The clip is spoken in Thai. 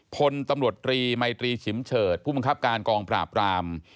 พลตำรวจตรีมัยตรีฉิมเฉิดผู้บังคับการกองปราบราม